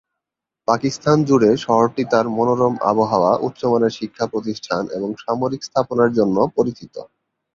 পাকিস্তান জুড়ে শহরটি তার মনোরম আবহাওয়া, উচ্চমানের শিক্ষা প্রতিষ্ঠান এবং সামরিক স্থাপনার জন্য পরিচিত।